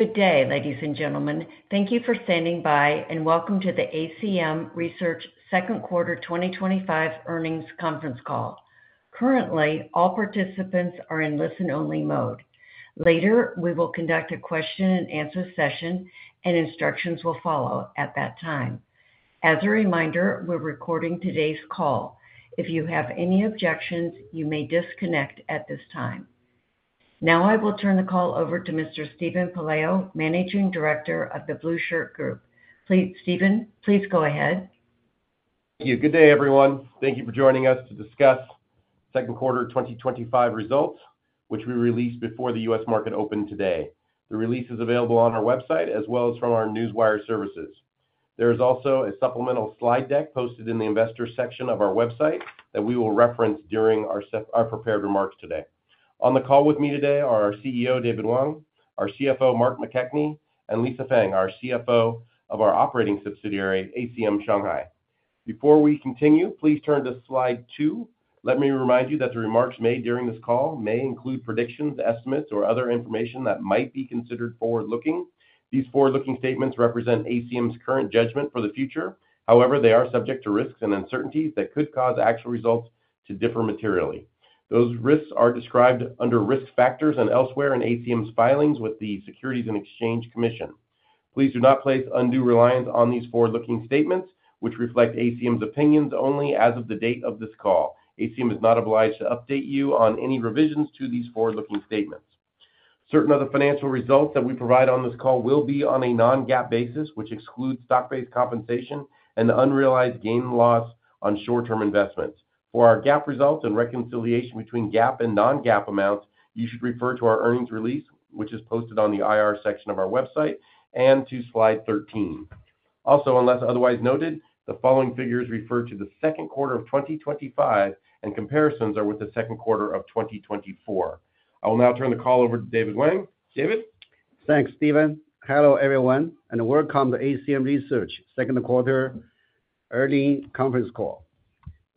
Good day, ladies and gentlemen. Thank you for standing by and welcome to the ACM Research Second Quarter 2025 Earnings Conference Call. Currently, all participants are in listen-only mode. Later, we will conduct a question-and-answer session, and instructions will follow at that time. As a reminder, we're recording today's call. If you have any objections, you may disconnect at this time. Now I will turn the call over to Mr. Steven Pelayo, Managing Director of The Blue Shirt Group. Please, Steven, please go ahead. Yeah, good day, everyone. Thank you for joining us to discuss second quarter 2025 results, which we released before the U.S. market opened today. The release is available on our website as well as from our newswire services. There is also a supplemental slide deck posted in the Investors section of our website that we will reference during our prepared remarks today. On the call with me today are our CEO, David Wang, our CFO, Mark McKechnie, and Lisa Feng, our CFO of our operating subsidiary, ACM Shanghai. Before we continue, please turn to slide two. Let me remind you that the remarks made during this call may include predictions, estimates, or other information that might be considered forward-looking. These forward-looking statements represent ACM's current judgment for the future. However, they are subject to risks and uncertainties that could cause actual results to differ materially. Those risks are described under Risk Factors and elsewhere in ACM's filings with the Securities and Exchange Commission. Please do not place undue reliance on these forward-looking statements, which reflect ACM's opinions only as of the date of this call. ACM is not obliged to update you on any revisions to these forward-looking statements. Certain of the financial results that we provide on this call will be on a non-GAAP basis, which excludes stock-based compensation and unrealized gain and loss on short-term investments. For our GAAP results and reconciliation between GAAP and non-GAAP amounts, you should refer to our earnings release, which is posted on the IR section of our website, and to slide 13. Also, unless otherwise noted, the following figures refer to the second quarter of 2025, and comparisons are with the second quarter of 2024. I will now turn the call over to David Wang. David? Thanks, Steven. Hello, everyone, and welcome to ACM Research Second Quarter Earnings Conference Call.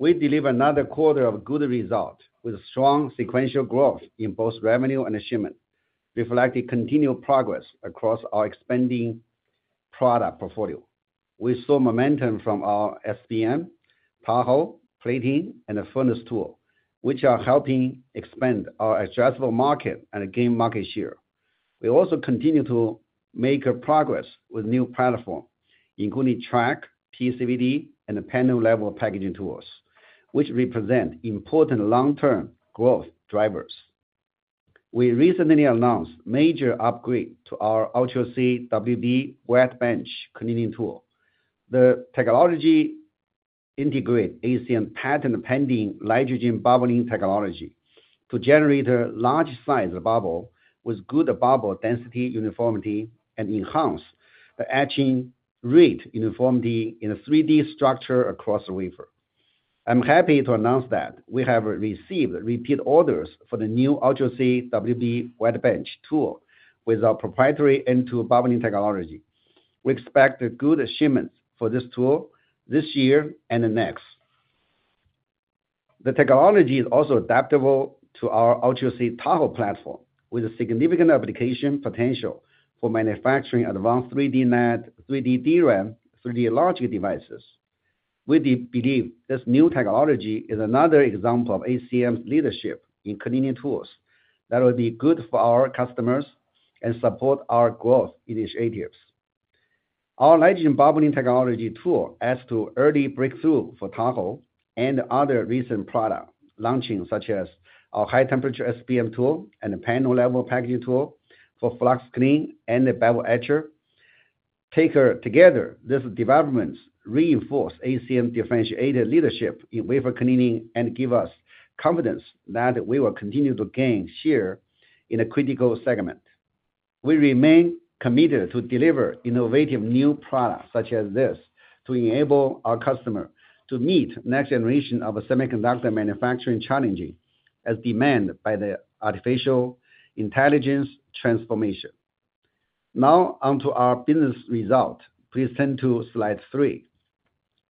We delivered another quarter of good results with strong sequential growth in both revenue and achievement, reflecting continued progress across our expanding product portfolio. We saw momentum from our SPM, Tahoe, plating and furnace tool, which are helping expand our addressable market and gain market share. We also continue to make progress with new platforms, including Track, PECVD, and panel-level packaging tools, which represent important long-term growth drivers. We recently announced a major upgrade to our Ultra C wb wet bench cleaning tool. The technology integrates ACM's patent-pending nitrogen bubbling technology to generate a large-sized bubble with good bubble density uniformity and enhance the etching rate uniformity in a 3D structure across the wafer. I'm happy to announce that we have received repeat orders for the new Ultra C wb wet bench tool with our proprietary N2 bubbling technology. We expect good achievements for this tool this year and the next. The technology is also adaptable to our Ultra C Tahoe platform, with significant application potential for manufacturing advanced 3D NAND, 3D DRAM, 3D logic devices. We believe this new technology is another example of ACM's leadership in cleaning tools that will be good for our customers and support our growth initiatives. Our nitrogen bubbling technology tool adds to early breakthrough for Tahoe and other recent product launches, such as our high temperature SPM tool and panel-level packaging tool for flux clean and bevel etcher. Together, these developments reinforce ACM's differentiated leadership in wafer cleaning and give us confidence that we will continue to gain share in a critical segment. We remain committed to delivering innovative new products such as this to enable our customers to meet the next generation of semiconductor manufacturing challenges as demanded by the artificial intelligence transformation. Now, on to our business results. Please turn to slide three.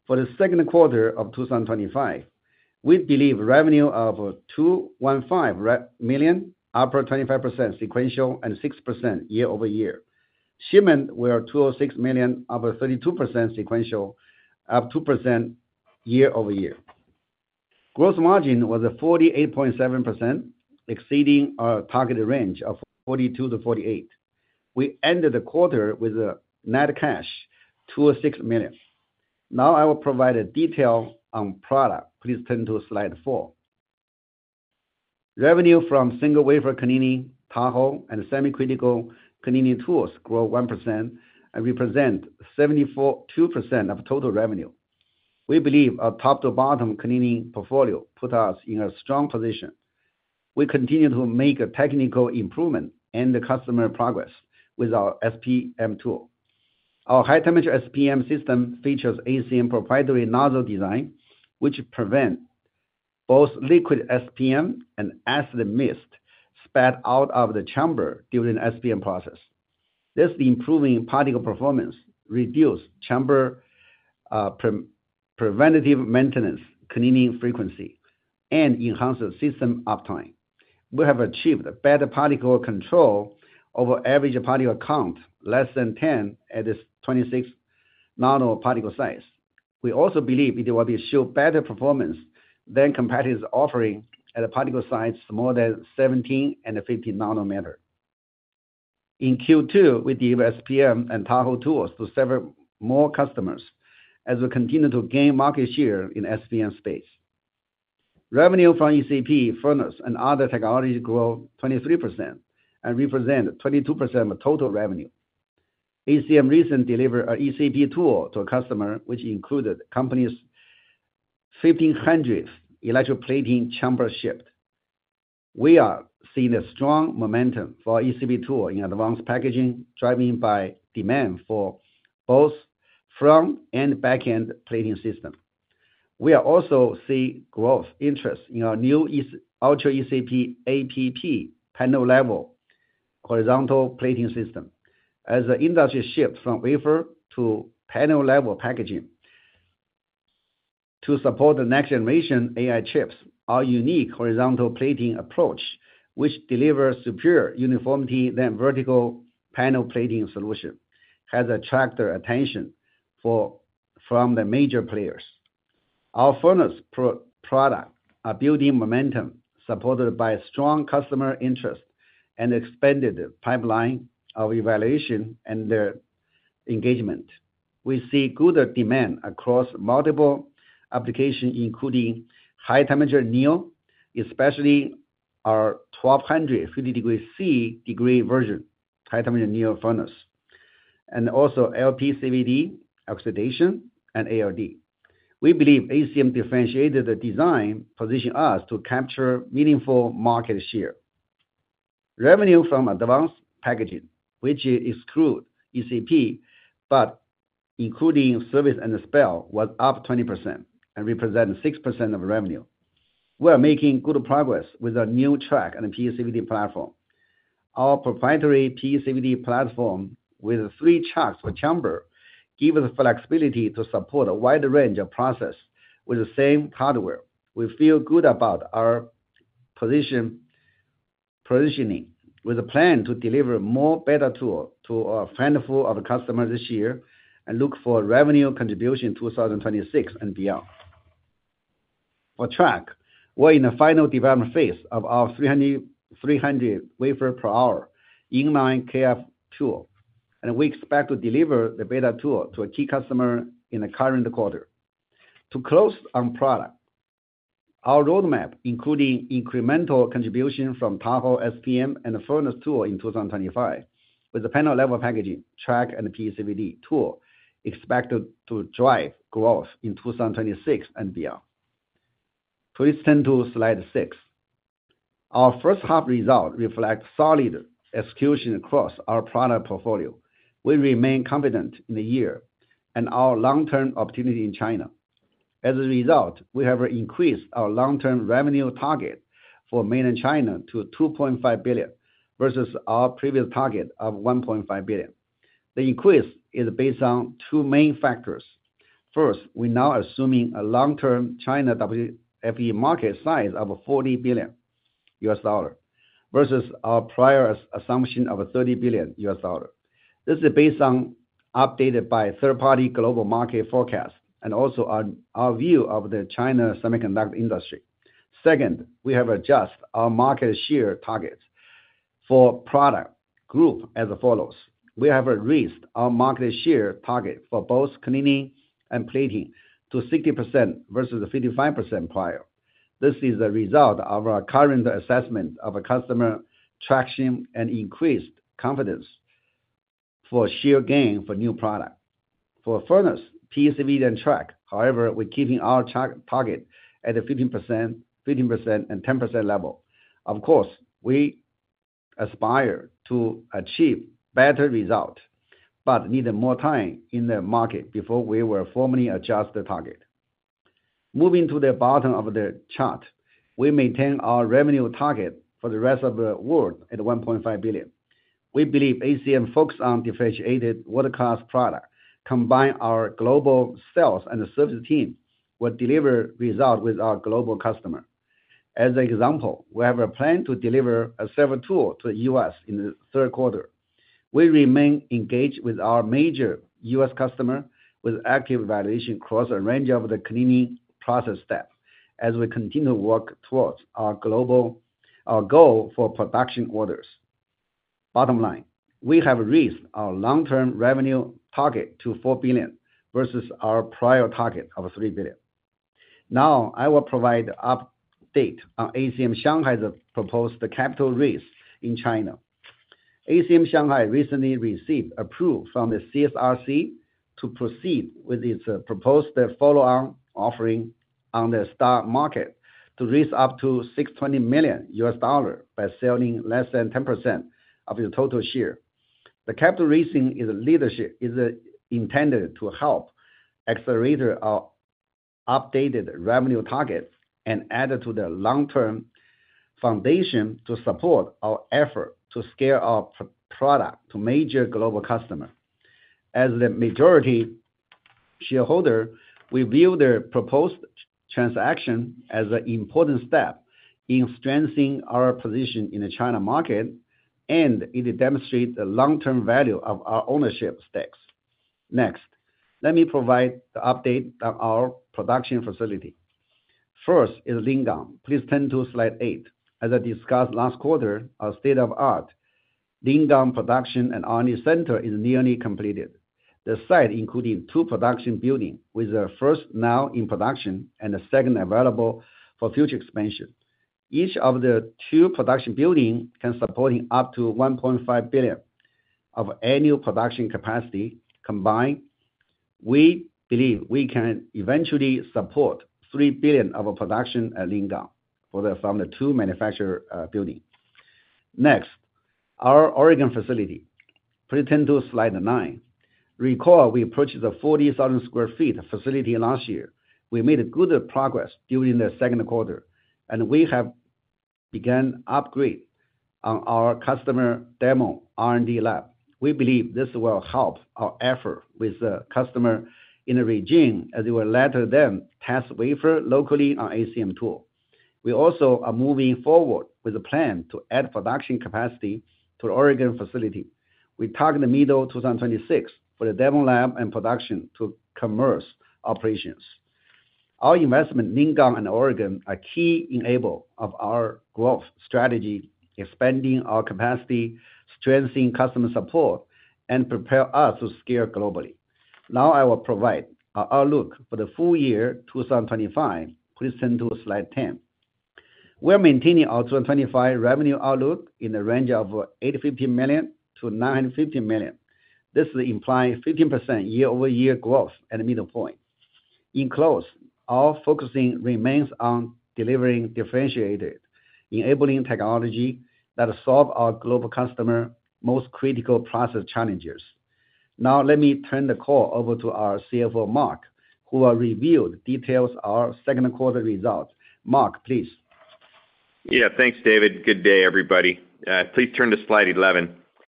For the second quarter of 2025, we delivered revenue of $215 million, up 25% sequential and 6% year-over-year. Achievement was $206 million, up 32% sequential, up 2% year-over-year. Gross margin was 48.7%, exceeding our target range of 42%-48%. We ended the quarter with a net cash of $206 million. Now I will provide a detail on product. Please turn to slide four. Revenue from single wafer cleaning, Tahoe, and semi-critical cleaning tools grew 1% and represents 74.2% of total revenue. We believe our top-to-bottom cleaning portfolio puts us in a strong position. We continue to make technical improvements and customer progress with our SPM tool. Our high-temperature SPM system features ACM's proprietary nozzle design, which prevents both liquid SPM and acid mist spat out of the chamber during the SPM process. This improves particle performance, reduces chamber preventative maintenance cleaning frequency, and enhances system uptime. We have achieved better particle control over average particle count, less than 10 at the 26-nanoparticle size. We also believe it will show better performance than competitors' offerings at particle sizes more than 17 and 15 nanometers. In Q2, we delivered SPM and Tahoe tools to several more customers as we continue to gain market share in the SPM space. Revenue from ECP, furnace, and other technologies grew 23% and represents 22% of total revenue. ACM recently delivered an ECP tool to a customer, which included the company's 1,500 electric plating chambers shipped. We are seeing a strong momentum for our ECP tool in advanced packaging, driven by demand for both front and back-end plating systems. We are also seeing growth interest in our new Ultra ECP APP panel-level horizontal plating system, as the industry shifts from wafer to panel-level packaging. To support the next-generation AI chips, our unique horizontal plating approach, which delivers superior uniformity than vertical panel plating solutions, has attracted attention from the major players. Our furnace products are building momentum, supported by strong customer interest and an expanded pipeline of evaluation and engagement. We see good demand across multiple applications, including high-temperature neo, especially our 1,250-degree C-degree, high-temperature neo furnace, and also LPCVD oxidation and ALD. We believe ACM's differentiated design positions us to capture meaningful market share. Revenue from advanced packaging, which excludes ECP but includes service and spell, was up 20% and represents 6% of revenue. We are making good progress with our new Track and PECVD platform. Our proprietary PECVD platform with three chunks per chamber gives us flexibility to support a wide range of processes with the same hardware. We feel good about our positioning, with a plan to deliver a more better tool to a handful of customers this year and look for revenue contribution in 2026 and beyond. For Track, we're in the final development phase of our 300-wafer-per-hour inline KrF tool, and we expect to deliver the beta tool to a key customer in the current quarter. To close on product, our roadmap, including incremental contributions from Tahoe SPM and furnace tool in 2025, with the panel-level packaging, Track, and PECVD tool, is expected to drive growth in 2026 and beyond. Please turn to slide six. Our first half results reflect solid execution across our product portfolio. We remain confident in the year and our long-term opportunity in China. As a result, we have increased our long-term revenue target for Mainland China to $2.5 billion versus our previous target of $1.5 billion. The increase is based on two main factors. First, we're now assuming a long-term China WFE market size of $40 billion versus our prior assumption of $30 billion. This is based on updates by third-party global market forecasts and also on our view of the China semiconductor industry. Second, we have adjusted our market share targets for product group as follows. We have raised our market share target for both cleaning and plating to 60% versus 55% prior. This is a result of our current assessment of customer traction and increased confidence for share gain for new products. For furnace, PECVD, and Track, however, we're keeping our target at the 15%, 15%, and 10% level. Of course, we aspire to achieve better results, but needed more time in the market before we were formally adjusted the target. Moving to the bottom of the chart, we maintain our revenue target for the rest of the world at $1.5 billion. We believe ACM Research's focus on differentiated, world-class products combines our global sales and service team, will deliver results with our global customers. As an example, we have a plan to deliver a server tool to the U.S. in the third quarter. We remain engaged with our major U.S. customers with active evaluation across a range of the cleaning process steps as we continue to work towards our goal for production orders. Bottom line, we have raised our long-term revenue target to $4 billion versus our prior target of $3 billion. Now, I will provide an update on ACM Shanghai's proposed capital raise in China. ACM Shanghai recently received approval from the CSRC to proceed with its proposed follow-on offering on the stock market to raise up to $620 million by selling less than 10% of your total share. The capital raising leadership is intended to help accelerate our updated revenue target and add to the long-term foundation to support our effort to scale our product to major global customers. As the majority shareholder, we view the proposed transaction as an important step in strengthening our position in the China market, and it demonstrates the long-term value of our ownership stakes. Next, let me provide an update on our production facility. First is Lingang. Please turn to slide eight. As I discussed last quarter, our state-of-the-art Lingang production and R&D center is nearly completed. The site includes two production buildings, with the first now in production and the second available for future expansion. Each of the two production buildings can support up to $1.5 billion of annual production capacity combined. We believe we can eventually support $3 billion of production at Lingang from the two manufacturing buildings. Next, our Oregon facility. Please turn to slide nine. Recall we purchased a 40,000 square feet facility last year. We made good progress during the second quarter, and we have begun an upgrade on our customer demo R&D lab. We believe this will help our effort with the customer in the region as we will let them test wafers locally on the ACM tool. We also are moving forward with a plan to add production capacity to the Oregon facility. We target the middle of 2026 with a demo lab and production to commercial operations. Our investments in Lingang and Oregon are key enablers of our growth strategy, expanding our capacity, strengthening customer support, and preparing us to scale globally. Now I will provide our outlook for the full year 2025. Please turn to slide 10. We are maintaining our 2025 revenue outlook in the range of $850 million-$950 million. This implies 15% year-over-year growth at the middle point. Enclosed, our focus remains on delivering differentiated, enabling technology that solves our global customers' most critical process challenges. Now, let me turn the call over to our CFO, Mark, who will reveal the details of our second quarter results. Mark, please. Yeah, thanks, David. Good day, everybody. Please turn to slide 11.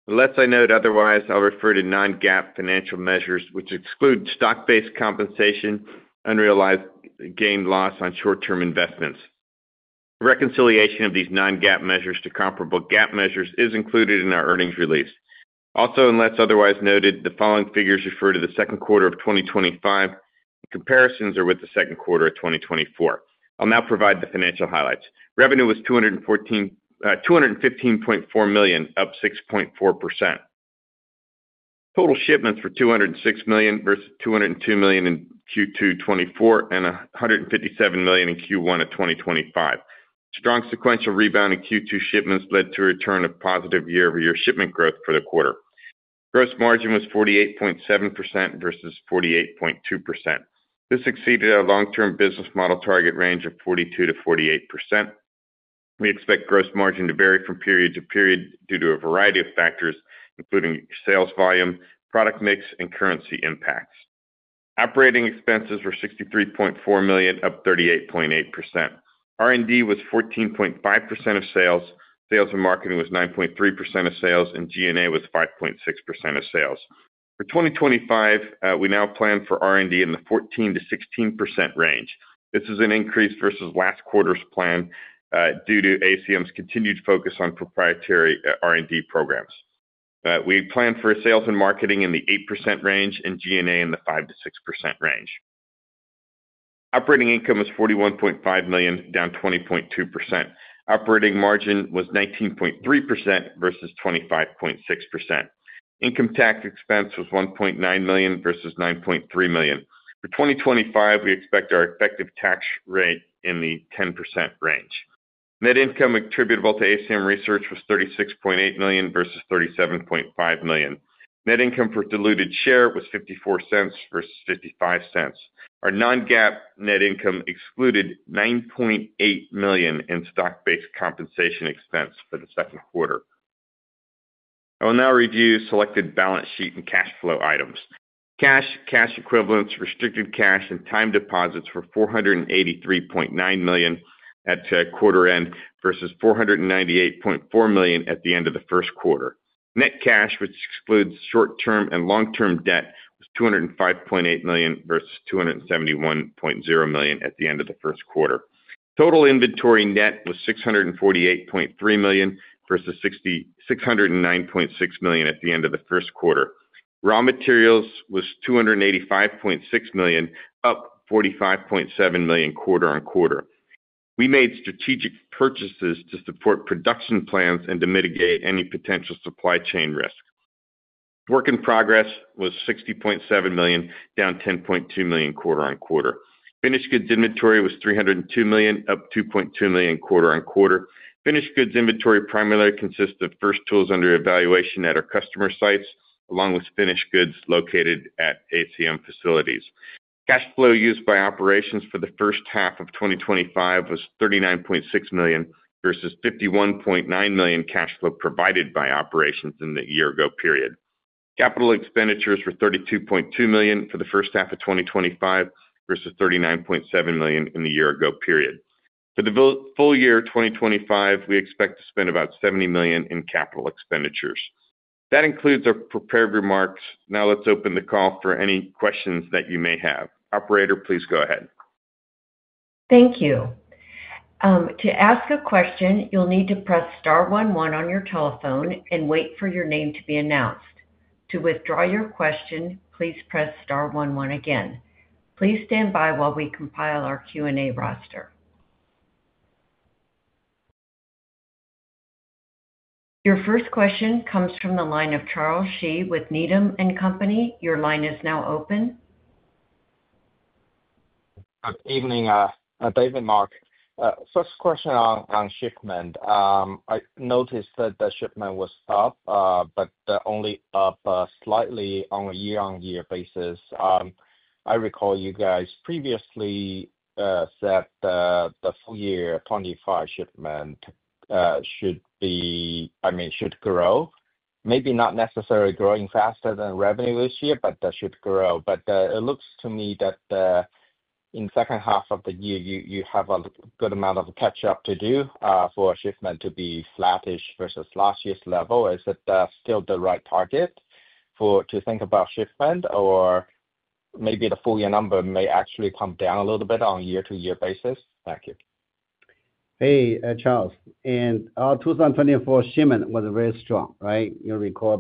Unless I note otherwise, I'll refer to non-GAAP financial measures, which exclude stock-based compensation and unrealized gain and loss on short-term investments. Reconciliation of these non-GAAP measures to comparable GAAP measures is included in our earnings release. Also, unless otherwise noted, the following figures refer to the second quarter of 2025. Comparisons are with the second quarter of 2024. I'll now provide the financial highlights. Revenue was $215.4 million, up 6.4%. Total shipments were $206 million versus $202 million in Q2 of 2024 and $157 million in Q1 of 2025. Strong sequential rebound in Q2 shipments led to a return of positive year-over-year shipment growth for the quarter. Gross margin was 48.7% versus 48.2%. This exceeded our long-term business model target range of 42%-48%. We expect gross margin to vary from period to period due to a variety of factors, including sales volume, product mix, and currency impacts. Operating expenses were $63.4 million, up 38.8%. R&D was 14.5% of sales. Sales and marketing was 9.3% of sales, and G&A was 5.6% of sales. For 2025, we now plan for R&D in the 14%-16% range. This is an increase versus last quarter's plan due to ACM's continued focus on proprietary R&D programs. We plan for sales and marketing in the 8% range and G&A in the 5%-6% range. Operating income was $41.5 million, down 20.2%. Operating margin was 19.3% versus 25.6%. Income tax expense was $1.9 million versus $9.3 million. For 2025, we expect our effective tax rate in the 10% range. Net income attributable to ACM Research was $36.8 million versus $37.5 million. Net income per diluted share was $0.54 versus $0.55. Our non-GAAP net income excluded $9.8 million in stock-based compensation expense for the second quarter. I will now review selected balance sheet and cash flow items. Cash, cash equivalents, restricted cash, and time deposits were $483.9 million at quarter end versus $498.4 million at the end of the first quarter. Net cash, which excludes short-term and long-term debt, was $205.8 million versus $271.0 million at the end of the first quarter. Total inventory net was $648.3 million versus $609.6 million at the end of the first quarter. Raw materials was $285.6 million, up $45.7 million quarter on quarter. We made strategic purchases to support production plans and to mitigate any potential supply chain risks. Work in progress was $60.7 million, down $10.2 million quarter on quarter. Finished goods inventory was $302 million, up $2.2 million quarter on quarter. Finished goods inventory primarily consists of first tools under evaluation at our customer sites, along with finished goods located at ACM facilities. Cash flow used by operations for the first half of 2025 was $39.6 million versus $51.9 million cash flow provided by operations in the year-ago period. Capital expenditures were $32.2 million for the first half of 2025 versus $39.7 million in the year-ago period. For the full year of 2025, we expect to spend about $70 million in capital expenditures. That includes our prepared remarks. Now let's open the call for any questions that you may have. Operator, please go ahead. Thank you. To ask a question, you'll need to press star one one on your telephone and wait for your name to be announced. To withdraw your question, please press star one one again. Please stand by while we compile our Q&A roster. Your first question comes from the line of Charles Shi with Needham & Company. Your line is now open. Evening, David, Mark. First question on shipment. I noticed that the shipment was up, but only up slightly on a year-on-year basis. I recall you guys previously said the full year 2025 shipment should be, I mean, should grow. Maybe not necessarily growing faster than revenue this year, but that should grow. It looks to me that in the second half of the year, you have a good amount of catch-up to do for shipment to be flattish versus last year's level. Is it still the right target to think about shipment, or maybe the full year number may actually come down a little bit on a year-to-year basis? Thank you. Hey, Charles. Our 2024 shipment was very strong, right? You recall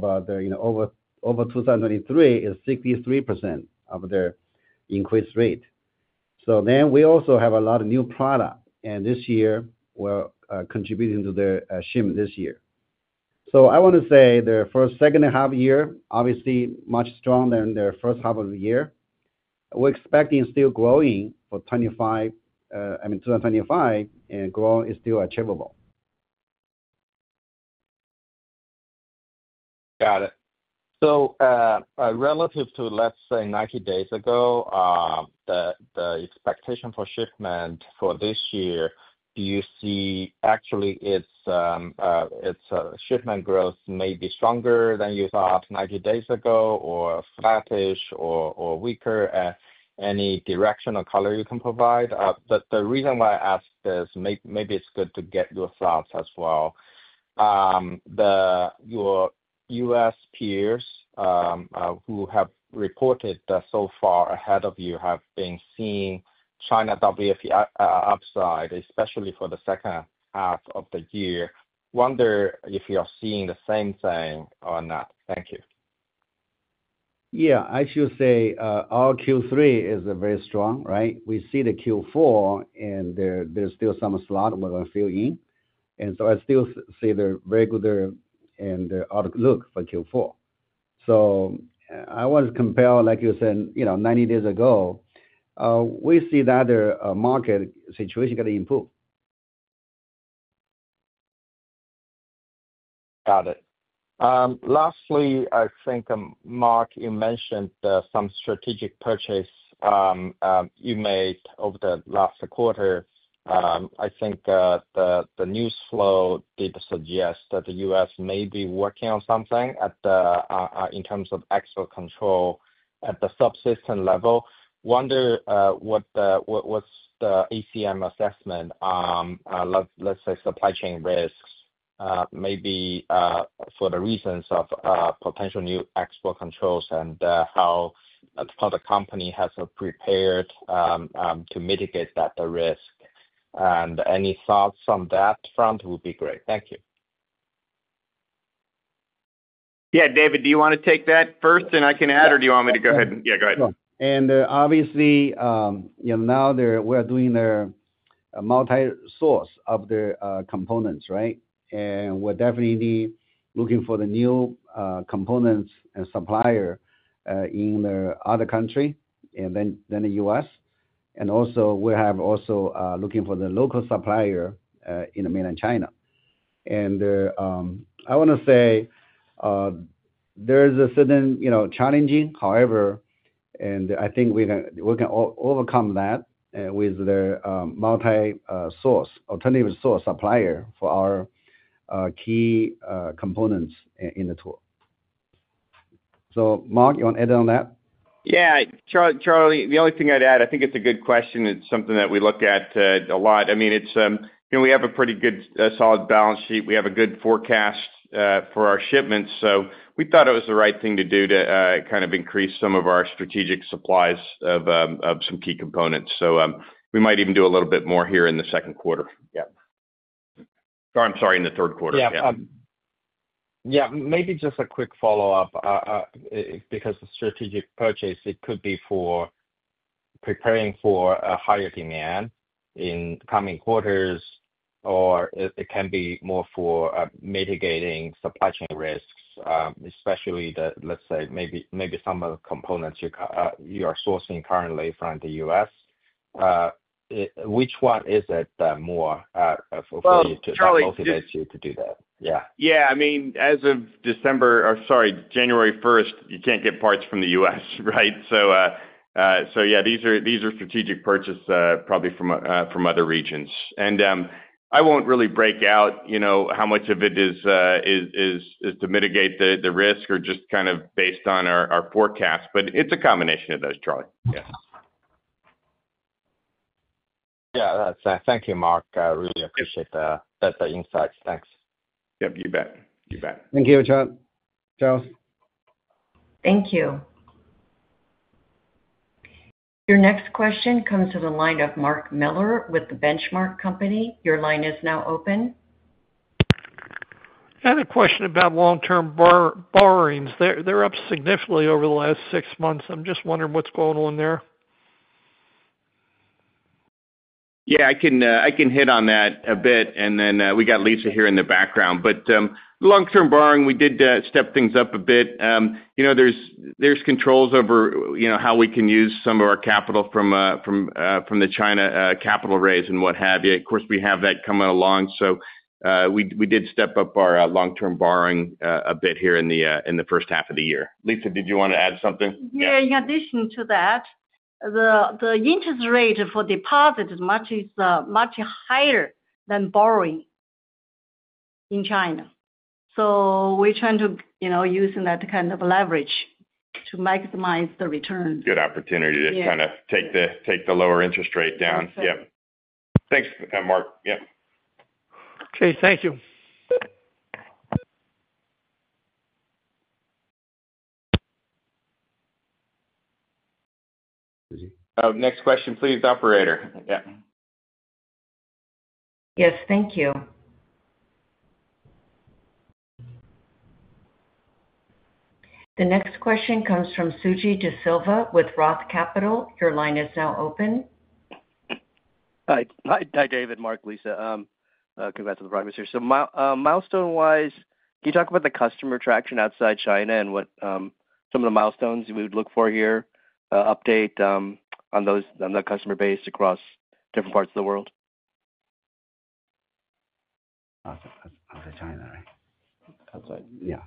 over 2023, it's 63% of the increased rate. We also have a lot of new products, and this year we're contributing to the shipment this year. I want to say the second half of the year is obviously much stronger than the first half of the year. We're expecting still growing for 2025, I mean, 2025, and growing is still achievable. Got it. Relative to, let's say, 90 days ago, the expectation for shipment for this year, do you see actually if shipment growth may be stronger than you thought 90 days ago, or flattish or weaker? Any direction or color you can provide? The reason why I ask this, maybe it's good to get your thoughts as well. Your U.S. peers who have reported so far ahead of you have been seeing China WFE upside, especially for the second half of the year. Wonder if you're seeing the same thing or not. Thank you. Yeah, I should say our Q3 is very strong, right? We see the Q4, and there's still some slot we're going to fill in. I still see the very good and the outlook for Q4. I want to compare, like you said, you know, 90 days ago, we see that the market situation is going to improve. Got it. Lastly, I think, Mark, you mentioned some strategic purchase you made over the last quarter. I think the news flow did suggest that the U.S. may be working on something in terms of export control at the subsystem level. Wonder what's the ACM assessment on, let's say, supply chain risks, maybe for the reasons of potential new export controls and how the product company has prepared to mitigate that risk. Any thoughts on that front would be great. Thank you. Yeah, David, do you want to take that first and I can add, or do you want me to go ahead? Yeah, go ahead. Obviously, you know, now we are doing the multi-source of the components, right? We're definitely looking for the new components and suppliers in other countries than the U.S., and we're also looking for the local suppliers in Mainland China. I want to say there's a certain, you know, challenge. However, I think we can overcome that with the multi-source, alternative source supplier for our key components in the tool. Mark, you want to add on that? Yeah, Charles, the only thing I'd add, I think it's a good question. It's something that we look at a lot. I mean, we have a pretty good solid balance sheet. We have a good forecast for our shipments. We thought it was the right thing to do to kind of increase some of our strategic supplies of some key components. We might even do a little bit more here in the second quarter. Sorry, I'm sorry, in the third quarter. Yeah, maybe just a quick follow-up. It's because the strategic purchase, it could be for preparing for a higher demand in the coming quarters, or it can be more for mitigating supply chain risks, especially that, let's say, maybe some of the components you are sourcing currently from the U.S. Which one is it that more for you to motivate you to do that? Yeah, I mean, as of January 1st, you can't get parts from the U.S., right? These are strategic purchases probably from other regions. I won't really break out how much of it is to mitigate the risk or just kind of based on our forecast, but it's a combination of those, Charles. Thank you, Mark. I really appreciate the insights. Thanks. You bet. You bet. Thank you, John. Charles? Thank you. Your next question comes to the line of Mark Miller with The Benchmark Company. Your line is now open. I had a question about long-term borrowings. They're up significantly over the last six months. I'm just wondering what's going on there. Yeah, I can hit on that a bit, and then we got Lisa here in the background. Long-term borrowing, we did step things up a bit. You know, there's controls over how we can use some of our capital from the China capital raise and what have you. Of course, we have that coming along. We did step up our long-term borrowing a bit here in the first half of the year. Lisa, did you want to add something? Yeah, in addition to that, the interest rate for deposit is much higher than borrowing in China. We're trying to use that kind of leverage to maximize the return. Good opportunity to kind of take the lower interest rate down. Thanks, Mark. Yep. Okay, thank you. Next question, please, operator. Yes, thank you. The next question comes from Sujeeva De Silva with Roth Capital. Your line is now open. Hi, David, Mark, Lisa. Coming back to the practice here. Milestone-wise, can you talk about the customer traction outside China and what some of the milestones we would look for here? Update on those on the customer base across different parts of the world? Outside China, right? Yeah.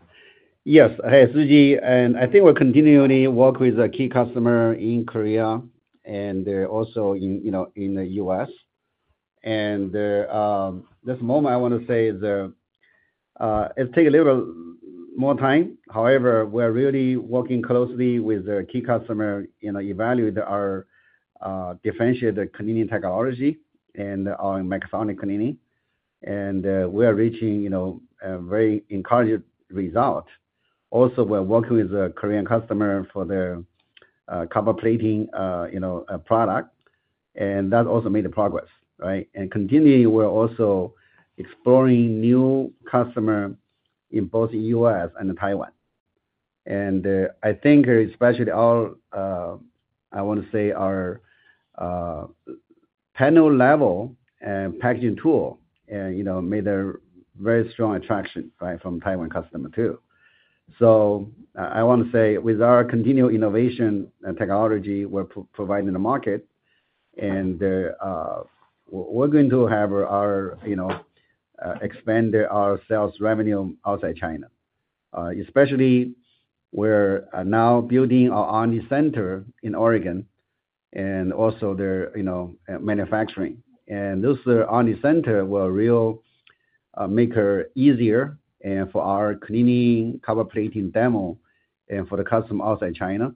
Yes, hey, Sujeeva, I think we're continuing to work with the key customers in Korea and also in the U.S. At this moment, I want to say it's taking a little bit more time. However, we're really working closely with the key customers to evaluate our differentiated cleaning technology and our Maxonic cleaning. We are reaching a very encouraging result. Also, we're working with a Korean customer for the copper plating product, and that also made progress, right? Continually, we're also exploring new customers in both the U.S. and Taiwan. I think especially all, I want to say, our panel-level packaging tools made a very strong attraction from Taiwan customers too. I want to say with our continued innovation and technology we're providing the market, we're going to expand our sales revenue outside China. Especially, we're now building our R&D center in Oregon and also there, you know, manufacturing. This R&D center will really make it easier for our cleaning copper plating demo and for the customers outside China.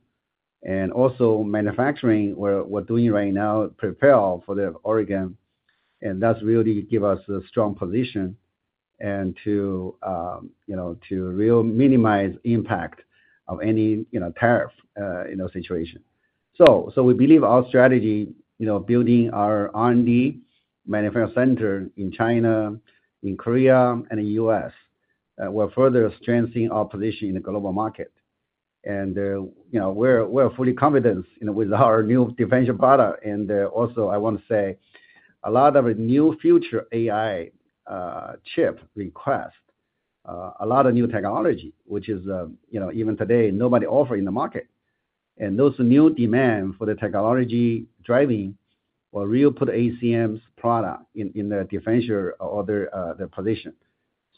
Also, manufacturing we're doing right now prepares for Oregon. That really gives us a strong position to really minimize the impact of any tariff situation. We believe our strategy, building our R&D manufacturing center in China, in Korea, and the U.S., will further strengthen our position in the global market. We're fully confident with our new differential product. Also, I want to say a lot of new future AI chips require a lot of new technology, which is, even today, nobody offers in the market. Those new demands for the technology driving will really put ACM's product in the differential or the position.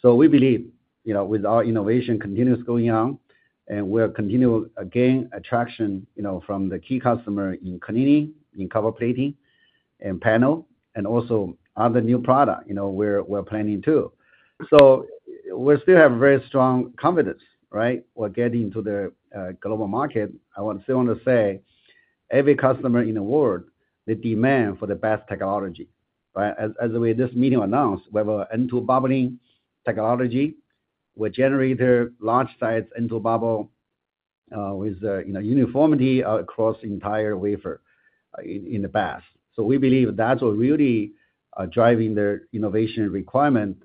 We believe with our innovation continuously going on, we'll continue to gain attraction from the key customers in cleaning, in copper plating, and panel, and also other new products we're planning too. We still have very strong confidence, right? We're getting into the global market. I still want to say every customer in the world demands the best technology, right? As we, this meeting announced, we have an N2 bubbling technology. We generate a large-sized N2 bubble with uniformity across the entire wafer in the bath. We believe that's what really drives the innovation requirements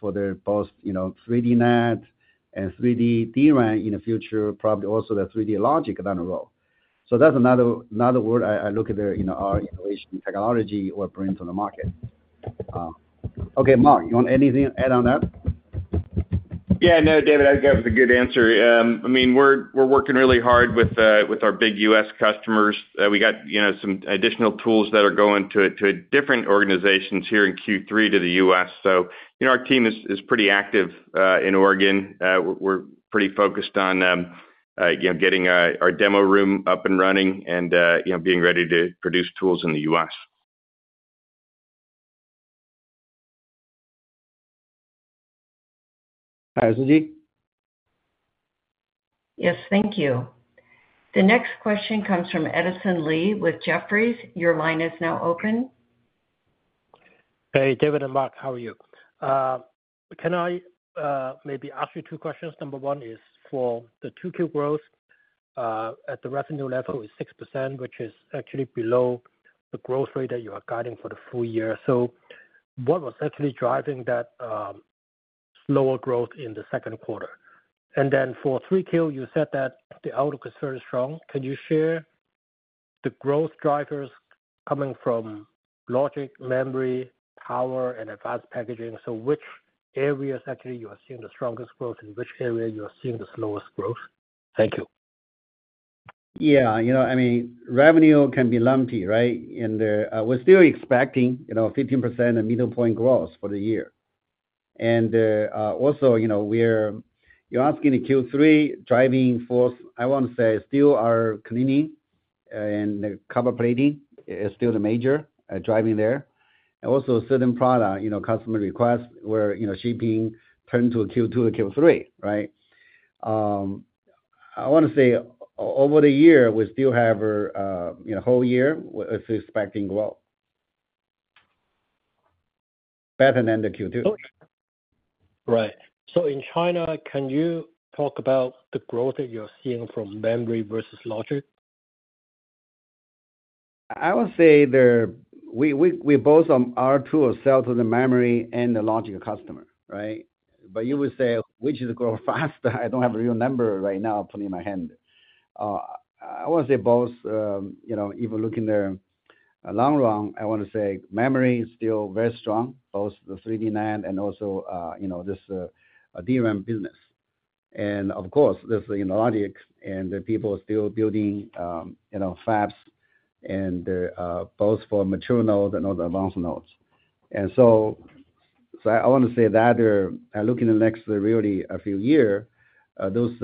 for both 3D NAND and 3D DRAM in the future, probably also the 3D logic down the road. That's another word I look at our innovation technology we're bringing to the market. Okay, Mark, you want anything to add on that? Yeah, no, David, I think that was a good answer. I mean, we're working really hard with our big U.S. customers. We got some additional tools that are going to different organizations here in Q3 to the U.S. Our team is pretty active in Oregon. We're pretty focused on getting our demo room up and running and being ready to produce tools in the U.S. Hi, Sujeeva. Yes, thank you. The next question comes from Edison Lee with Jefferies. Your line is now open. Hey, David and Mark, how are you? Can I maybe ask you two questions? Number one is for the 2Q growth at the revenue level is 6%, which is actually below the growth rate that you are guiding for the full year. What was actually driving that slower growth in the second quarter? For 3Q, you said that the outlook is very strong. Can you share the growth drivers coming from logic, memory, power, and advanced packaging? Which areas actually you are seeing the strongest growth and which area you are seeing the slowest growth? Thank you. Yeah, revenue can be lumpy, right? We're still expecting 15% of middle point growth for the year. Also, for the Q3 driving force, I want to say still our cleaning and the copper plating is still the major driving there. Also, certain products, customer requests where shipping turned to Q2 or Q3, right? I want to say over the year, we still have a whole year we're expecting growth better than the Q2. Right. In China, can you talk about the growth that you're seeing from memory versus logic? I would say we both are to sell to the memory and the logic customer, right? You would say which is growing faster. I don't have a real number right now, put it in my hand. I want to say both, you know, if we look in the long run, I want to say memory is still very strong, both the 3D NAND and also, you know, this DRAM business. Of course, this is the logic and the people are still building, you know, fabs and both for mature nodes and advanced nodes. I want to say that looking at the next really few years, those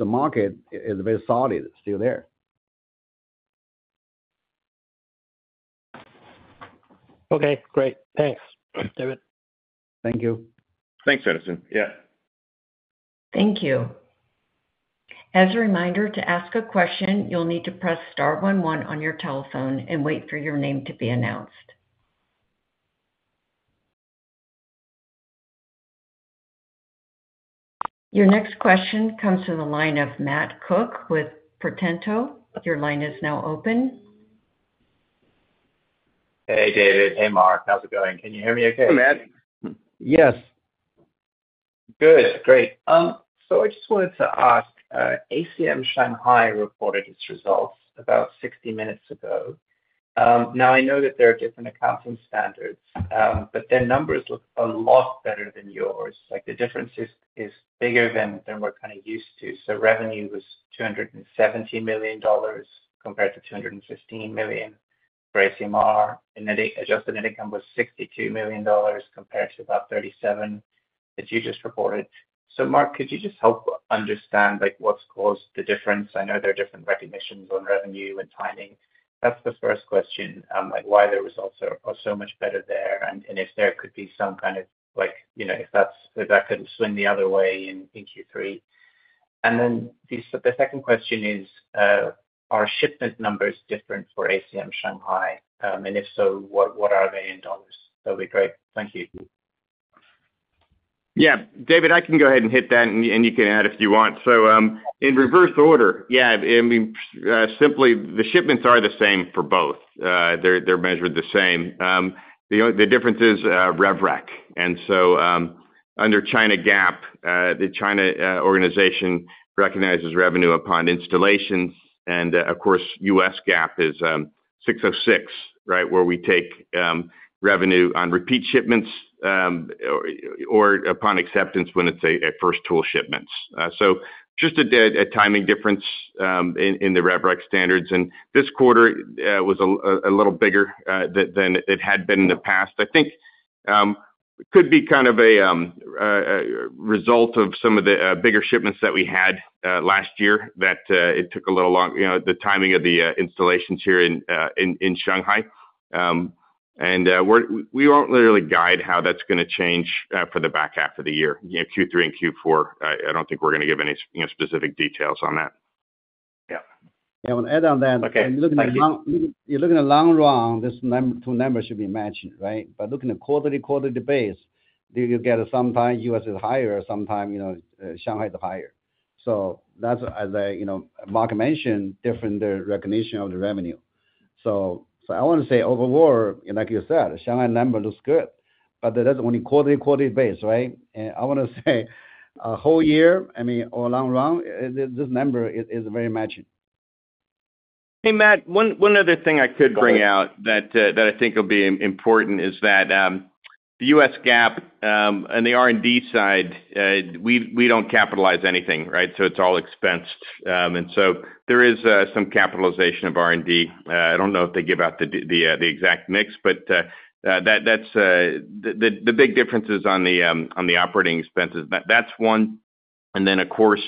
markets are very solid still there. Okay, great. Thanks, David. Thank you. Thanks, Edison. Yeah. Thank you. As a reminder, to ask a question, you'll need to press star one one on your telephone and wait for your name to be announced. Your next question comes to the line of Matt Cook with Pro Tanto. Your line is now open. Hey, David. Hey, Mark. How's it going? Can you hear me okay? Hey, Matt. Yes. Great. I just wanted to ask, ACM Shanghai reported its results about 60 minutes ago. I know that there are different accounting standards, but their numbers look a lot better than yours. The difference is bigger than what we're kind of used to. Revenue was $270 million compared to $215 million. For ACMR, adjusted net income was $62 million compared to about $37 million that you just reported. Mark, could you just help understand what's caused the difference? I know there are different recognitions on revenue and timing. That's the first question, why the results are so much better there and if there could be some kind of, you know, if that could swing the other way in Q3. The second question is, are shipment numbers different for ACM Shanghai? If so, what are they in dollars? That would be great. Thank you. Yeah, David, I can go ahead and hit that and you can add if you want. In reverse order, yeah, I mean, simply the shipments are the same for both. They're measured the same. The difference is RevRec. Under China GAAP, the China organization recognizes revenue upon installations. Of course, U.S. GAAP is 606, right, where we take revenue on repeat shipments or upon acceptance when it's a first tool shipment. It's just a timing difference in the RevRec standards. This quarter was a little bigger than it had been in the past. I think it could be kind of a result of some of the bigger shipments that we had last year that it took a little longer, you know, the timing of the installations here in Shanghai. We won't literally guide how that's going to change for the back half of the year, you know, Q3 and Q4. I don't think we're going to give any specific details on that. Yeah, I want to add on that. You're looking at the long run, this number should be matched, right? Looking at quarterly-quarterly base, you get sometimes U.S. is higher, sometimes, you know, Shanghai is higher. That's, as I, you know, Mark mentioned, different recognition of the revenue. I want to say overall, like you said, the Shanghai number looks good. That's only quarterly-quarterly base, right? I want to say a whole year, I mean, or long run, this number is very matching. Hey, Matt. One other thing I could bring out that I think will be important is that the U.S. GAAP and the R&D side, we don't capitalize anything, right? It's all expense. There is some capitalization of R&D. I don't know if they give out the exact mix, but that's the big differences on the operating expenses. That's one. Of course,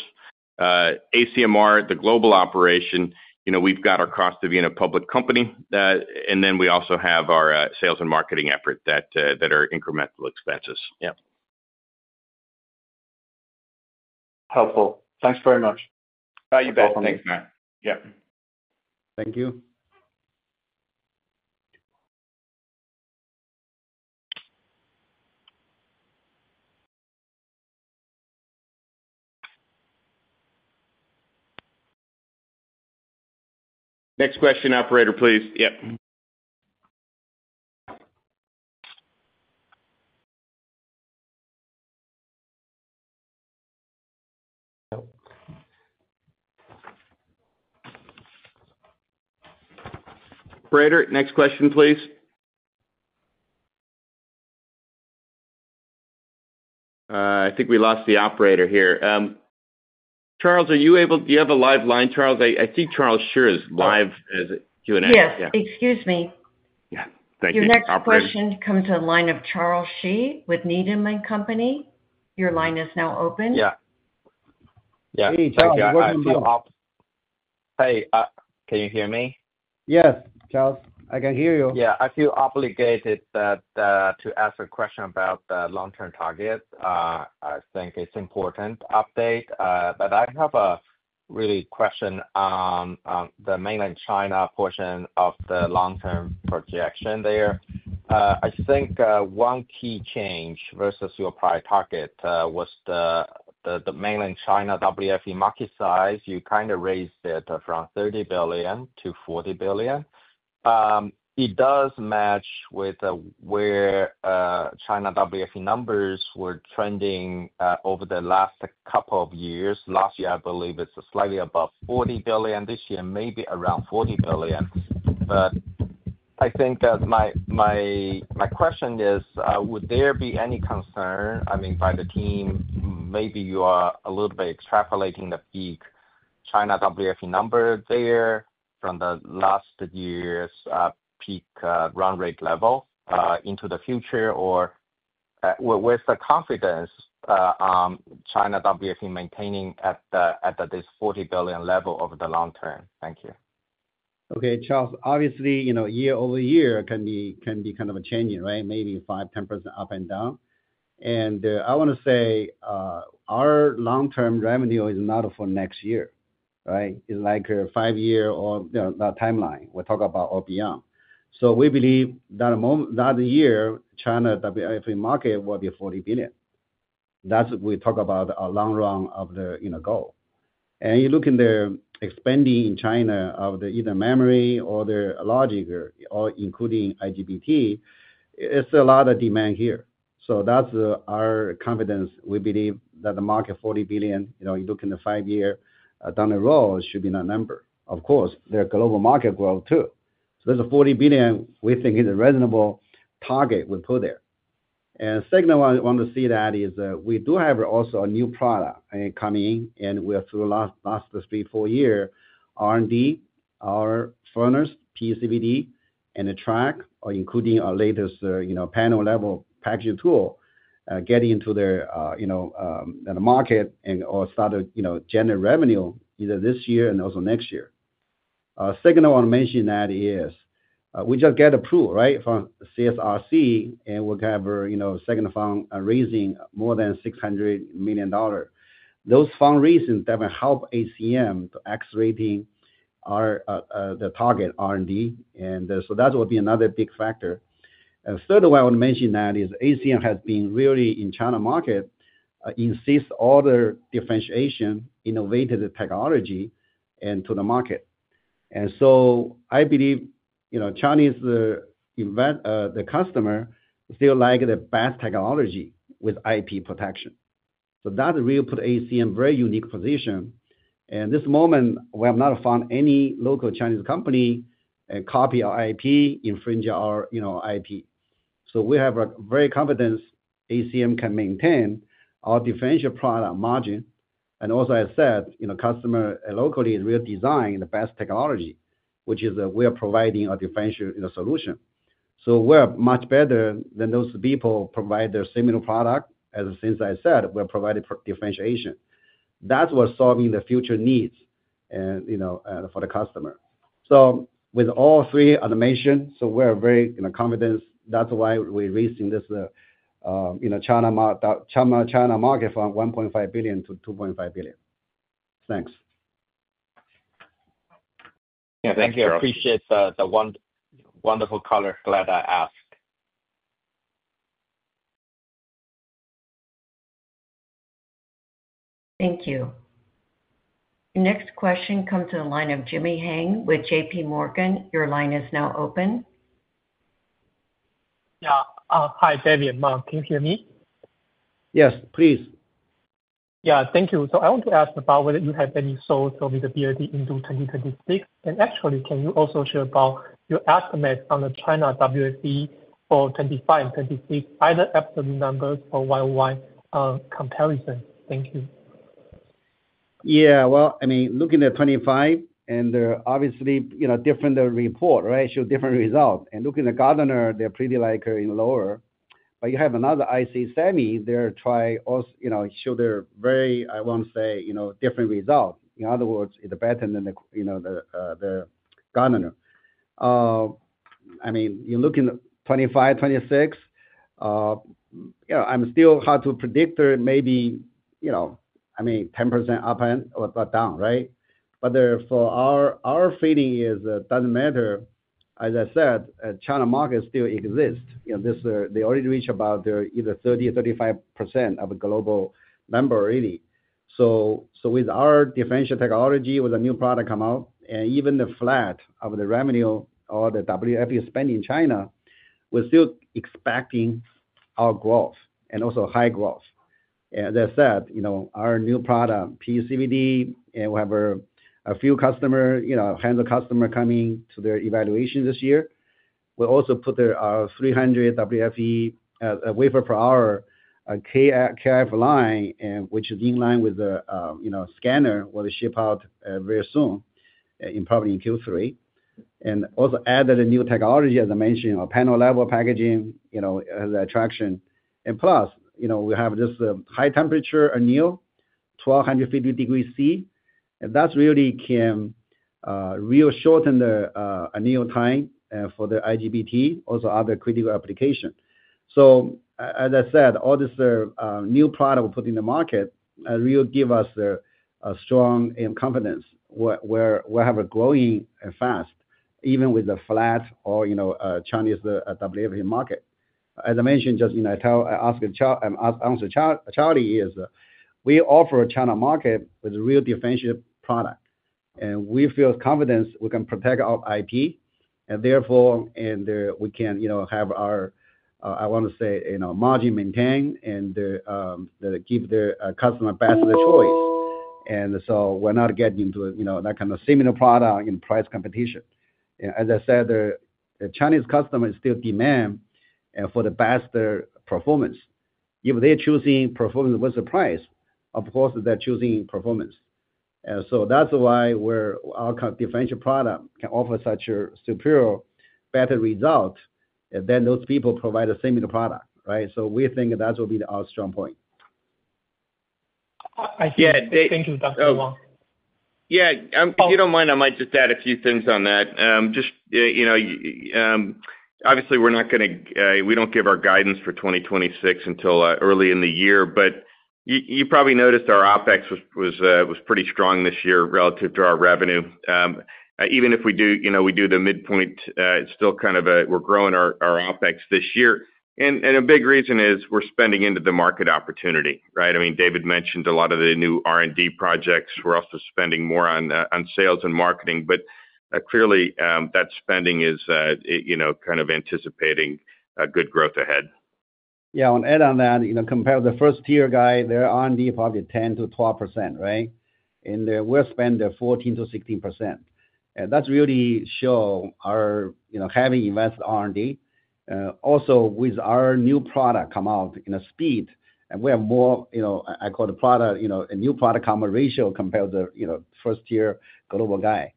ACMR, the global operation, we've got our cost of, you know, public company, and then we also have our sales and marketing efforts that are incremental expenses. Yeah. Helpful. Thanks very much. All right, you bet. Thanks, Matt. Yeah. Thank you. Next question, operator, please. Operator, next question, please. I think we lost the operator here. Charles, are you able to, do you have a live line, Charles? I think Charles Shi is live as a Q&A. Excuse me. Yeah, thank you. Your next question comes to the line of Charles Shi with Needham & Company. Your line is now open. Yeah. Hey, can you hear me? Yes, Charles. I can hear you. Yeah, I feel obligated to ask a question about the long-term target. I think it's an important update. I have a question on the Mainland China portion of the long-term projection there. I think one key change versus your prior target was the Mainland China WFE market size. You kind of raised it around $30 billion-$40 billion. It does match with where China WFE numbers were trending over the last couple of years. Last year, I believe it's slightly above $40 billion. This year, maybe around $40 billion. I think that my question is, would there be any concern, I mean, by the team? Maybe you are a little bit extrapolating the peak China WFE number there from last year's peak run rate level into the future, or with the confidence on China WFE maintaining at this $40 billion level over the long-term? Thank you. Okay, Charles. Obviously, you know, year-over-year can be kind of a change, right? Maybe 5%, 10% up and down. I want to say our long-term revenue is not for next year, right? It's like a five-year timeline. We're talking about OBM. We believe that the year China WFE market will be $40 billion. That's what we talk about our long run of the goal. You look in the expanding in China of either memory or the logic, or including IGBT, it's a lot of demand here. That's our confidence. We believe that the market $40 billion, you know, you look in the five-year down the road, should be the number. Of course, there's global market growth too. There's a $40 billion we think is a reasonable target we put there. The second one I want to see is we do have also a new product coming in, and we are through the last three, four years R&D, our furnace, PECVD, and the Track, including our latest panel-level packaging tool, getting into the market and or start to generate revenue either this year and also next year. Our second I want to mention is we just got approved, right, from CSRC, and we're going to have a second fund raising more than $600 million. Those fund raisings definitely help ACM to accelerate the target R&D. That will be another big factor. Third, what I want to mention is ACM has been really in the China market, insists on all the differentiation, innovative technology, and to the market. I believe Chinese investors, the customers still like the best technology with IP protection. That really puts ACM in a very unique position. At this moment, we have not found any local Chinese company that copies our IP or infringes our IP. We are very confident ACM can maintain our differential product margin. As I said, customers locally will design the best technology, which is what we are providing—a differential solution. We are much better than those people providing a similar product. As I said, we are providing differentiation. That's what's solving the future needs for the customer. With all three I mentioned, we are very confident. That's why we are raising this China market fund, $1.5 billion-$2.5 billion. Thanks. Yeah, thank you. I appreciate the wonderful color. Glad I asked. Thank you. Next question comes from the line of Jimmy Hang with JPMorgan. Your line is now open. Yeah. Hi, David. Mark, can you hear me? Yes, please. Thank you. I want to ask about whether you have any source for the WFE into 2026. Can you also share about your estimate on the China WFE for 2025 and 2026, either FW number or YY comparison? Thank you. Yeah, I mean, looking at 2025, there are obviously different reports, right, show different results. Looking at Gartner, they're pretty like in lower. You have another IC Semi, they're trying to show they're very, I want to say, different results. In other words, it's better than the, you know, the Gartner. You look in 2025, 2026, I'm still hard to predict there, maybe, I mean, 10% up and down, right? For our feeling, it doesn't matter. As I said, the China market still exists. They already reach about either 30%, 35% of the global number, really. With our differential technology, with a new product coming out, and even the flat of the revenue or the WFE spend in China, we're still expecting our growth and also high growth. As I said, our new product, PECVD, and we have a few customers, hands-on customers coming to their evaluation this year. We also put our 300 WFE wafer per hour KrF line, which is in line with the scanner we'll ship out very soon, probably in Q3. Also added a new technology, as I mentioned, our panel-level packaging, as an attraction. Plus, we have this high-temperature anneal, 1,250 degrees C. That really can really shorten the anneal time for the IGBT, also other critical applications. As I said, all this new product we put in the market really gives us a strong confidence where we have a growing fast, even with the flat or, you know, Chinese WFE market. As I mentioned, just, I asked Charles, is we offer a China market with a real differential product. We feel confident we can protect our IP. Therefore, we can, you know, have our, I want to say, margin maintained and give the customer the best of the choice. We're not getting into that kind of similar product in price competition. As I said, the Chinese customers still demand for the best of their performance. If they're choosing performance versus price, of course, they're choosing performance. That's why our differential product can offer such a superior, better result than those people providing a similar product, right? We think that will be our strong point. Yeah, thank you, Dr. Wang. Yeah, if you don't mind, I might just add a few things on that. Obviously, we're not going to, we don't give our guidance for 2026 until early in the year. You probably noticed our OpEx was pretty strong this year relative to our revenue. Even if we do the midpoint, it's still kind of a, we're growing our OpEx this year. A big reason is we're spending into the market opportunity, right? I mean, David mentioned a lot of the new R&D projects. We're also spending more on sales and marketing. Clearly, that spending is kind of anticipating good growth ahead. Yeah, I want to add on that, you know, compared to the first-tier guy, their R&D is probably 10%-12%, right? We're spending 14%-16%. That really shows our, you know, having invested R&D. Also, with our new product coming out in a speed, we have more, you know, I call the product, you know, a new product coming out ratio compared to the, you know, first-tier global guy.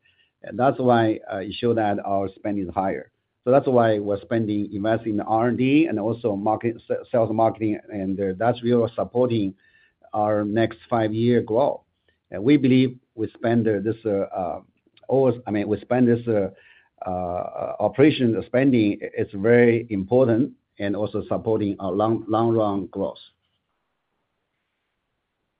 That's why it shows that our spend is higher. That's why we're spending, investing in R&D and also sales marketing. That's really supporting our next five-year growth. We believe we spend this, I mean, we spend this operation spending, it's very important and also supporting our long-run growth.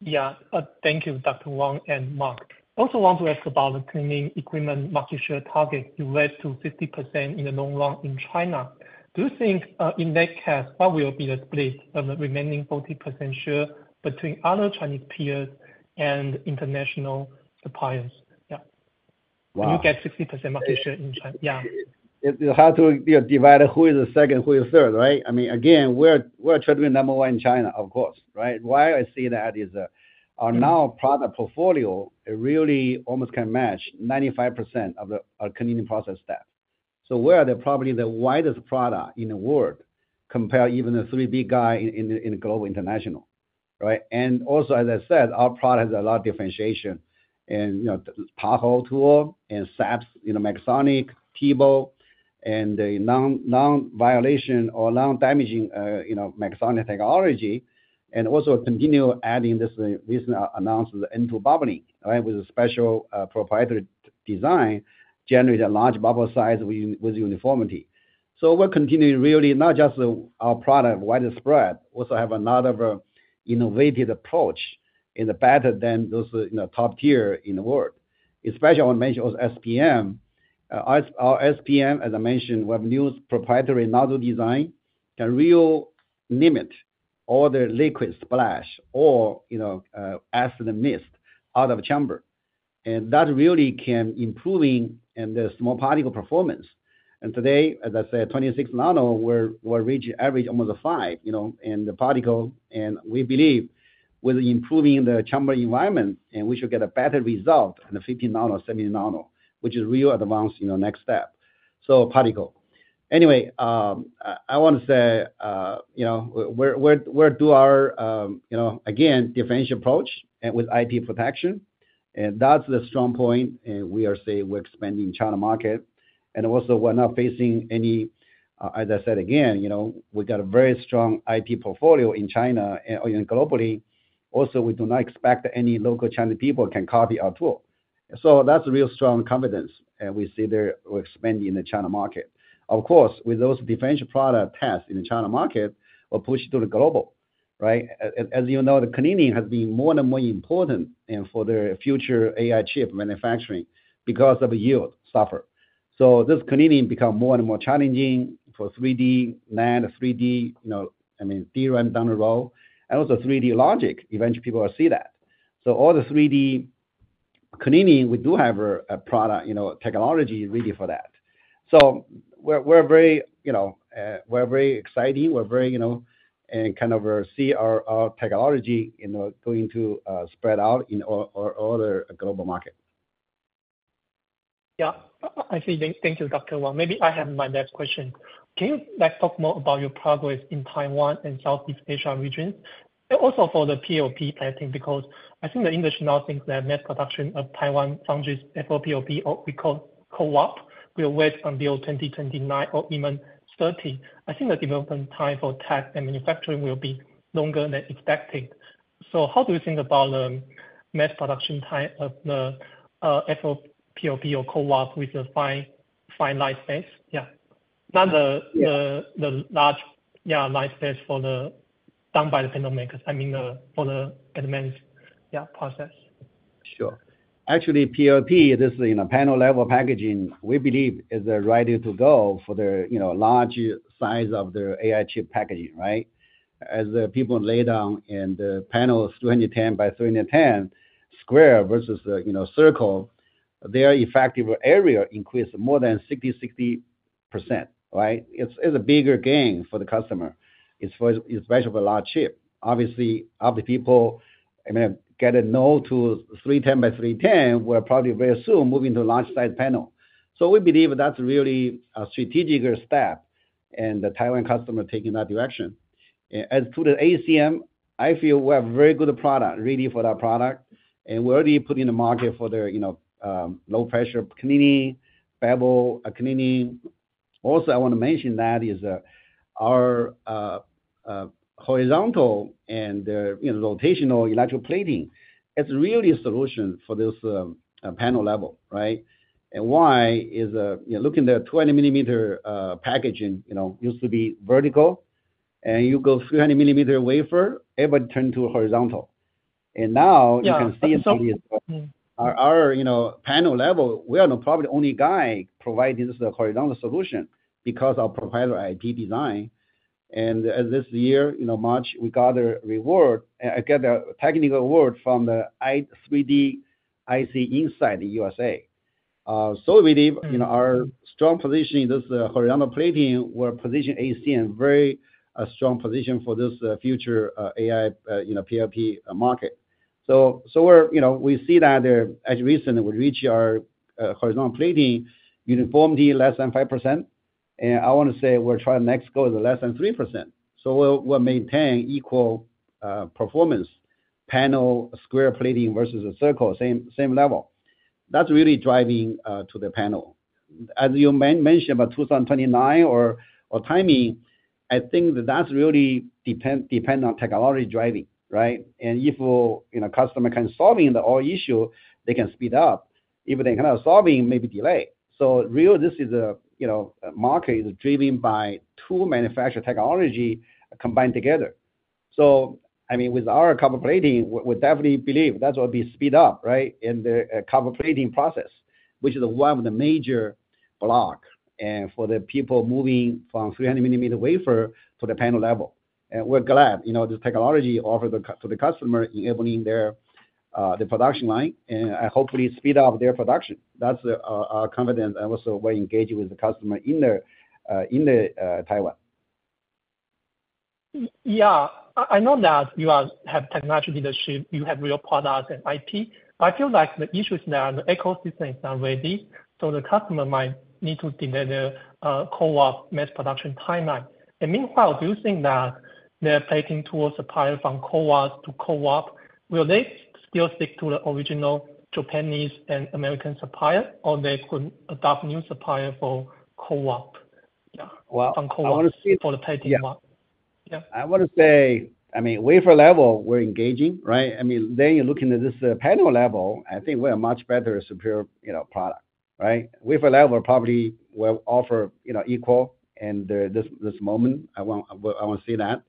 Thank you, Dr. Wang and Mark. I also want to ask about the cleaning equipment market share target you led to 50% in the long run in China. Do you think in that case, what will be the split of the remaining 40% share between other Chinese peers and international suppliers? Can you get 50% market share in China? It's hard to, you know, divide who is the second, who is the third, right? I mean, again, we're trying to be number one in China, of course, right? Why I say that is our now product portfolio really almost can match 95% of our cleaning process staff. We are probably the widest product in the world compared to even the 3B guy in the global international, right? Also, as I said, our product has a lot of differentiation in Tahoe tool and SAPS, you know, Maxonic, TEBO, and the non-violation or non-damaging, you know, Maxonic technology. Also, continue adding this recently announced N2 bubbling, right, with a special proprietary design, generating a large bubble size with uniformity. We're continuing really not just our product widespread, also have a lot of innovative approach and better than those, you know, top tier in the world. Especially I want to mention also SPM. Our SPM, as I mentioned, we have new proprietary nozzle design that can really limit all the liquid splash or, you know, acid mist out of the chamber. That really can improve the small particle performance. Today, as I said, 26 nano, we're reaching average almost a five, you know, in the particle. We believe with improving the chamber environment, we should get a better result in the 50 nano, 70 nano, which is a real advanced, you know, next step. Particle. Anyway, I want to say, you know, we're doing our, you know, again, differential approach with IP protection. That's the strong point. We are saying we're expanding the China market. Also, we're not facing any, as I said, again, you know, we've got a very strong IP portfolio in China and globally. Also, we do not expect any local Chinese people can copy our tool. That's a real strong confidence. We see that we're expanding in the China market. Of course, with those differential product tests in the China market, we'll push it to the global, right? As you know, the cleaning has been more and more important for the future AI chip manufacturing because of the yield suffering. This cleaning becomes more and more challenging for 3D NAND, 3D, you know, I mean, DRAM down the road, and also 3D logic. Eventually, people will see that. All the 3D cleaning, we do have a product, you know, technology ready for that. We're very, you know, we're very excited. We're very, you know, and kind of see our technology, you know, going to spread out in all the global market. Yeah, I think thank you, Dr. Wang. Maybe I have my next question. Can you talk more about your progress in Taiwan and Southeast Asia region? Also, for the PLP testing, because I think the industry now thinks that net production of Taiwan on this FOWLP or we call CoWoS will wait until 2029 or even 2030. I think the development time for test and manufacturing will be longer than expected. How do you think about the mass production time of the FOWLP or CoWoS with the fine light phase? Not the large light phase for the done by the panel makers, I mean, for the advanced process. Sure. Actually, PLP, this is in a panel-level packaging, we believe is ready to go for the, you know, large size of the AI chip packaging, right? As the people lay down and the panel is 310 by 310 square versus the, you know, circle, their effective area increases more than 60%, 60%, right? It's a bigger gain for the customer, especially for a large chip. Obviously, other people, I mean, getting now to 310 by 310, we're probably very soon moving to a large-sized panel. We believe that's really a strategic step and the Taiwan customer taking that direction. As to the ACM, I feel we have a very good product, ready for that product. We're already putting in the market for the, you know, low-pressure cleaning, bevel cleaning. Also, I want to mention that is our horizontal and rotational electroplating. It's really a solution for this panel level, right? Why is, you know, looking at a 20 mm packaging, you know, used to be vertical, and you go 300 mm wafer, everybody turned to horizontal. Now you can see our, you know, panel level, we are probably the only guy providing this horizontal solution because of our proprietary IP design. As this year, you know, March, we got the reward, I get the technical award from the 3D InCites USA. We believe, you know, our strong position in this horizontal plating will position ACM in a very strong position for this future AI, you know, PLP market. We're, you know, we see that as recently we reach our horizontal plating uniformity less than 5%. I want to say we're trying to next go to less than 3%. We'll maintain equal performance panel square plating versus a circle, same level. That's really driving to the panel. As you mentioned about 2029 or timing, I think that that's really dependent on technology driving, right? If a customer can solve the whole issue, they can speed up. If they cannot solve it, maybe delay. Really, this is a, you know, market driven by two manufacturer technologies combined together. I mean, with our copper plating, we definitely believe that's what we speed up, right, in the copper plating process, which is one of the major blocks for the people moving from 300 mm wafer to the panel level. We're glad, you know, this technology offers to the customer, enabling their production line, and hopefully speed up their production. That's our confidence. Also, we're engaging with the customer in Taiwan. Yeah, I know that you have technology leadership. You have real product and IP. I feel like the issue is that the ecosystem is not ready. The customer might need to delay the CoWoS mass production timeline. Meanwhile, do you think that their plating tool supplier from CoWoS to CoWoS, will they still stick to the original Japanese and American supplier, or they could adopt new suppliers for CoWoS? I want to see for the plating. I want to say, I mean, wafer level, we're engaging, right? Then you're looking at this panel level, I think we have a much better, superior product, right? Wafer level probably will offer equal. At this moment, I want to say that.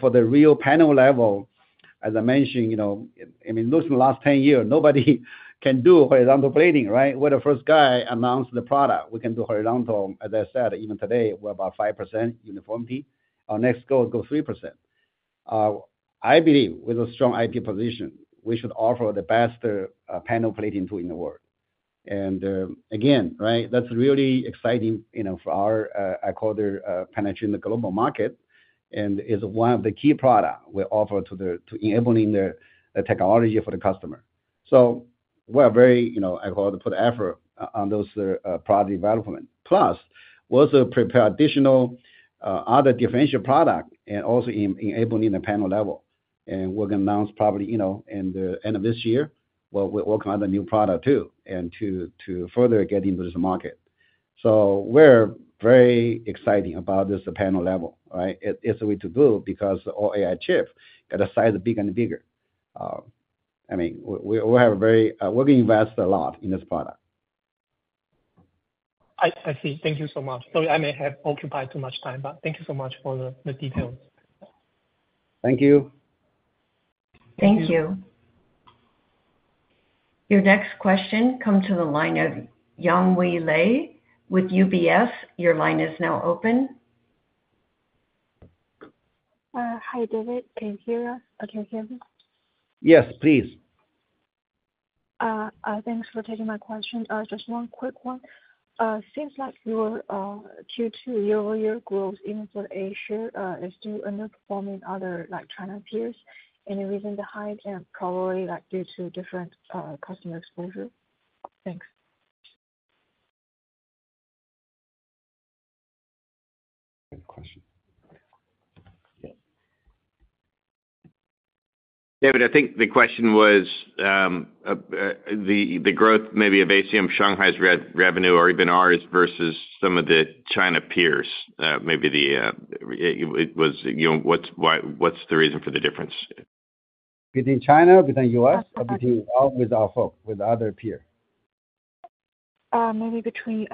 For the real panel level, as I mentioned, looking at the last 10 years, nobody can do horizontal plating, right? We're the first guy to announce the product. We can do horizontal, as I said, even today, we're about 5% uniformity. Our next goal is to go 3%. I believe with a strong IP position, we should offer the best panel plating tool in the world. That's really exciting for our, I call the penetration in the global market. It's one of the key products we offer to enable the technology for the customer. We're very, I call it, to put effort on those product development. Plus, we also prepare additional other differential products and also enable the panel level. We're going to announce probably at the end of this year, we'll come out with a new product too to further get into this market. We're very excited about this panel level, right? It's the way to go because all AI chips get the size bigger and bigger. We're going to invest a lot in this product. I see. Thank you so much. Sorry, I may have occupied too much time, but thank you so much for the details. Thank you. Thank you. Your next question comes to the line of Yang Wei Lei with UBS. Your line is now open. Hi, David. Can you hear us? Can you hear me? Yes, please. Thanks for taking my question. Just one quick one. It seems like your Q2 year-over-year growth, even for Asia, is still underperforming other, like, China peers. Any reason behind, and probably, like, due to different customer exposure? Thanks. David, I think the question was the growth maybe of ACM Shanghai's revenue or even ours versus some of the China peers. Maybe, you know, what's the reason for the difference? Between China or between the U.S. or between with our whole, with other peers? Maybe between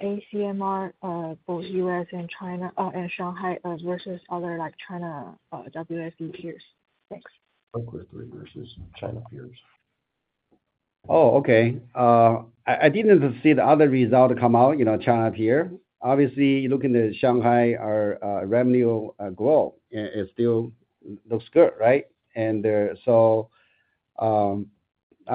ACMR, both U.S. and China, and Shanghai versus other, like, China WFE peers. Thanks. WFE versus China peers. Oh, okay. I didn't see the other result come out, you know, China peer. Obviously, looking at Shanghai, our revenue growth still looks good, right? I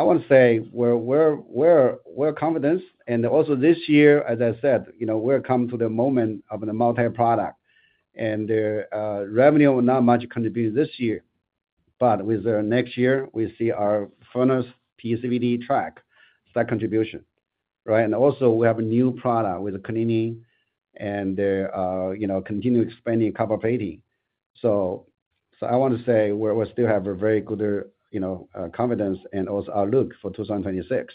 want to say we're confident. Also this year, as I said, you know, we're coming to the moment of the multi-product. The revenue will not much contribute this year, but with next year, we see our furnace, PECVD, Track, that contribution, right? Also, we have a new product with the cleaning and, you know, continue expanding copper plating. I want to say we still have a very good, you know, confidence and also outlook for 2026.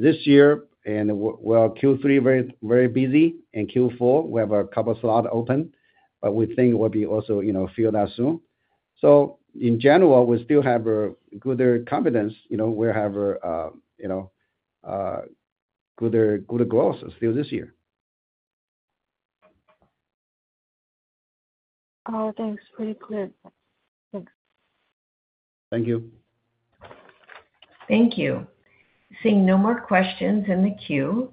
This year, we're Q3 very, very busy, and Q4, we have a couple of slots open. We think it will be also, you know, filled out soon. In general, we still have a good confidence, you know, we'll have a, you know, good growth still this year. Thanks. Pretty clear. Thanks. Thank you. Thank you. Seeing no more questions in the queue,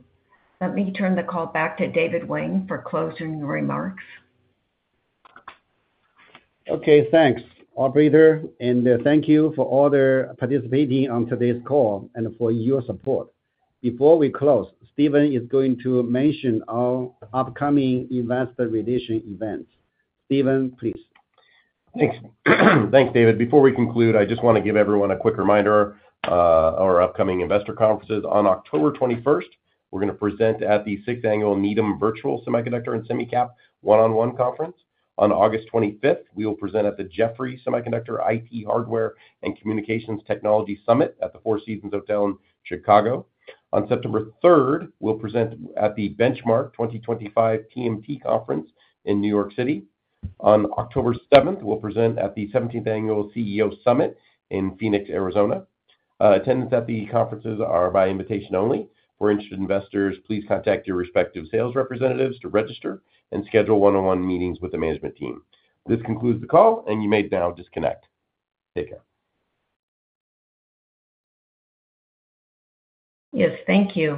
let me turn the call back to David Wang for closing remarks. Okay, thanks, operator. Thank you for all the participating on today's call and for your support. Before we close, Steven is going to mention our upcoming Investor Relations event. Steven, please. Thanks. Thanks, David. Before we conclude, I just want to give everyone a quick reminder of our upcoming investor conferences. On October 21st, we're going to present at the Sixth Annual Needham Virtual Semiconductor and SemiCap One-on-One Conference. On August 25th, we will present at the Jefferies Semiconductor IT Hardware and Communications Technology Summit at the Four Seasons Hotel, Chicago. On September 3rd, we'll present at the Benchmark 2025 TMT Conference in New York City. On October 7th, we'll present at the 17th annual CEO Summit in Phoenix, Arizona. Attendance at the conferences is by invitation only. For interested investors, please contact your respective sales representatives to register and schedule one-on-one meetings with the management team. This concludes the call, and you may now disconnect. Take care. Yes, thank you.